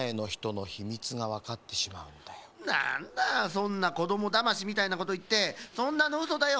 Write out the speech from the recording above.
そんなこどもだましみたいなこといってそんなのうそだよ。